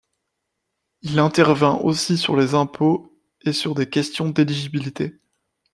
Il intervient aussi sur les impôts et sur des questions d'éligibilité.